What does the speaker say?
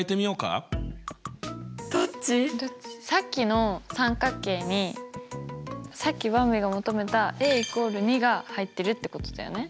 さっきの三角形にさっきばんびが求めた＝２が入ってるってことだよね？